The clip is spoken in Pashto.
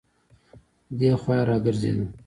دی خوا يې راګرځېده.